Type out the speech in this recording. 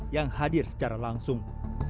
yang hadir secara langsung